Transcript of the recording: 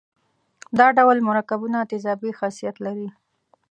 دا ډول مرکبونه تیزابي خاصیت لري.